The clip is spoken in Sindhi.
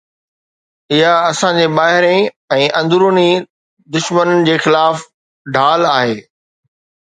اها اسان جي ٻاهرين ۽ اندروني دشمنن جي خلاف ڍال آهي.